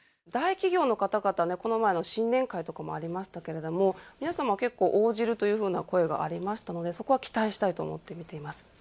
大企業の方々はね、この前の新年会とかもありましたけれども、皆様、結構応じるというふうな声がありましたので、そこは期待したいと思って見ています。